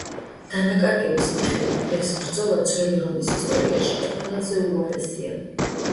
დანაკარგების მიხედვით ეს ბრძოლა ძველი რომის ისტორიაში ყველაზე უარესია.